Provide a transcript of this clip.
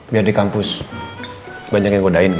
biar di kampus banyak yang godain